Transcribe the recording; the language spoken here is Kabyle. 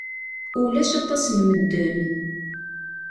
Ulac aṭas n medden.